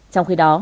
trong khi đó